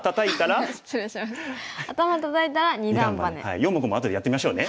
四目も後でやってみましょうね。